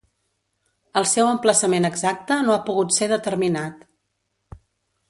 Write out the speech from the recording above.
El seu emplaçament exacte no ha pogut ser determinat.